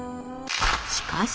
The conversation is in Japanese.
しかし！